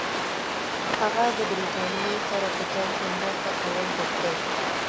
هغه د برټانیې سره په جنګ کې مرسته کول غوښتل.